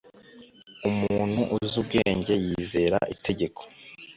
umuntu uzi ubwenge yizera itegeko